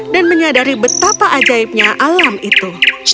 dan menyadari betapa ajaibnya alam itu